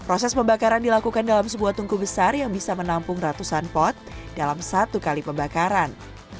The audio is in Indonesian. proses pembakaran dilakukan dalam sebuah tungku besar yang bisa menampung ratusan pot dalam satu kali pembakaran